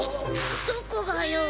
どこがよ！